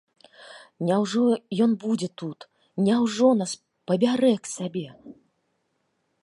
Няўжо ён будзе тут, няўжо нас пабярэ к сабе?